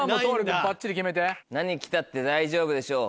何来たって大丈夫でしょう。